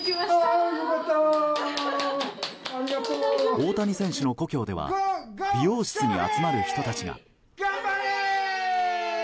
大谷選手の故郷では美容室に集まる人たちが。